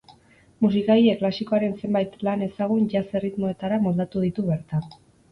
Musikagile klasikoaren zenbait lan ezagun jazz erritmoetara moldatu ditu bertan.